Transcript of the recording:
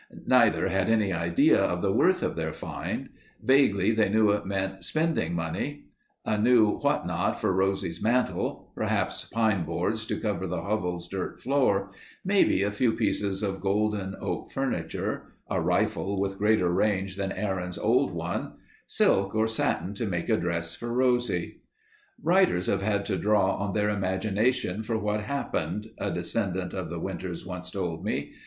Neither had any idea of the worth of their find. Vaguely they knew it meant spending money. A new what not for Rosie's mantel. Perhaps pine boards to cover the hovel's dirt floor; maybe a few pieces of golden oak furniture; a rifle with greater range than Aaron's old one; silk or satin to make a dress for Rosie. "Writers have had to draw on their imagination for what happened," a descendant of the Winters once told me.